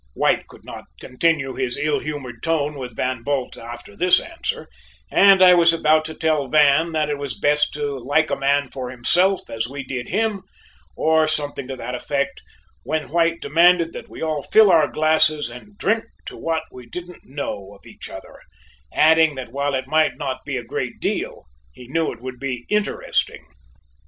White could not continue his ill humored tone with Van Bult after this answer, and I was about to tell Van that it was best to like a man for himself as we did him, or something to that effect, when White demanded that we all fill our glasses and drink to what we didn't know of each other, adding that while it might not be a great deal, he knew it would be interesting.